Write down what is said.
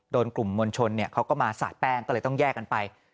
โดนกลุ่มมวลชนเขาก็มาสาดแป้งก็เลยต้องแยกกันไป